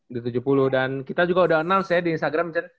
di tujuh puluh dan kita juga udah announce ya di instagram